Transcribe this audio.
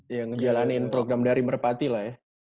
ya ngejalanin program dari merpati lah ya